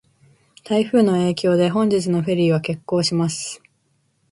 台風の影響で、本日のフェリーは欠航します。